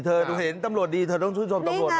เธอเห็นตำรวจดีเธอต้องชื่นชมตำรวจ